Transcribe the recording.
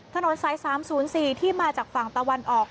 ถนนสาย๓๐๔ที่มาจากฝั่งตะวันออก